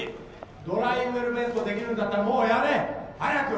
「ドライウェルベントできるんだったらもうやれ！早く！」。